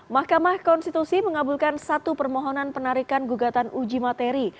mahkamah konstitusi mengabulkan satu permohonan penarikan gugatan uji materi